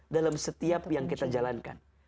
dalam setiap yang kita jalankan